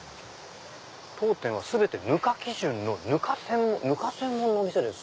「当店は『全てぬか基準』のぬか専門のお店です」。